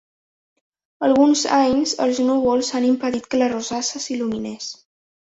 Alguns anys, els núvols han impedit que la rosassa s’il·luminés.